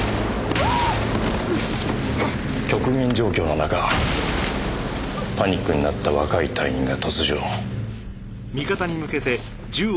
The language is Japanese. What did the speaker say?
極限状況の中パニックになった若い隊員が突如。